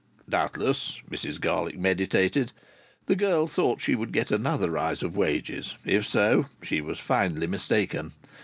Doubtless (Mrs Garlick meditated) the girl thought she would get another rise of wages. If so, she was finely mistaken.